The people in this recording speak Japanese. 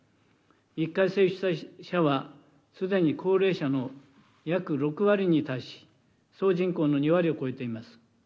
１回接種者はすでに高齢者の約６割に達し、総人口の２割を超えています。